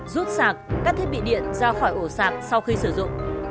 rút sạc các thiết bị điện ra khỏi ổ sạc sau khi sử dụng